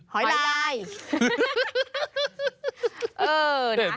หอยลาย